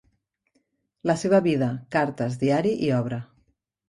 La seva vida, cartes, diari i obra.